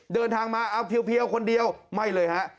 เดินทางมาเอาเพียวคนเดียวไม่เลยฮะ